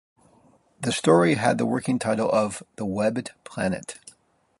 The story had the working title of "The Webbed Planet".